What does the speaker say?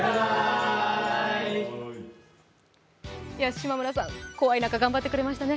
島村さん、怖い中頑張ってくれましたね。